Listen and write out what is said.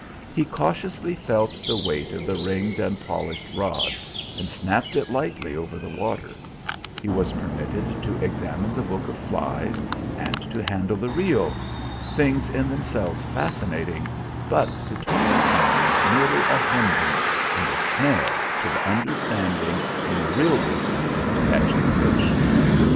He cautiously felt the weight of the ringed and polished rod, and snapped it lightly over the water; he was permitted to examine the book of flies and to handle the reel, things in themselves fascinating, but to Tommy's mind merely a hindrance and a snare to the understanding in the real business of catching fish.